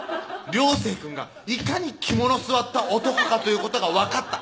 生くんがいかに肝の据わった男かということが分かった